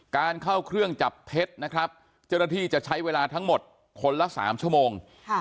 การเข้าเครื่องจับเท็จนะครับเจ้าหน้าที่จะใช้เวลาทั้งหมดคนละ๓ชั่วโมง